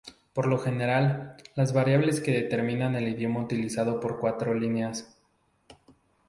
Por lo general, las variables que determina el idioma utilizado por cuatro líneas.